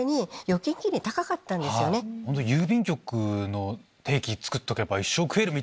郵便局の定期作っとけば一生食えるみたいな。